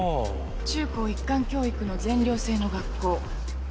中高一貫教育の全寮制の学校。